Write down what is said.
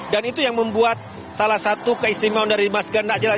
dan itu yang membuat salah satu keistimewaan dari mas ganjar